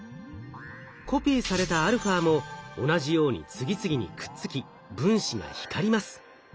コピーされたαも同じように次々にくっつき分子が光ります。